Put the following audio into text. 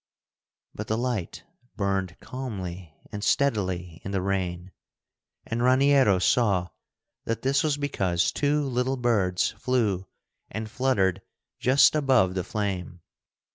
But the light burned calmly and steadily in the rain, and Raniero saw that this was because two little birds flew and fluttered just above the flame.